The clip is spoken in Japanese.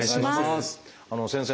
先生。